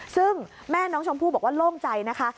ซึ่งแม่น้องชมพู่บอกว่าโล่งใจนะคะ